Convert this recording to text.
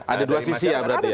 ada dua sisi ya berarti ya